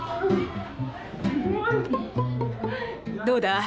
どうだ？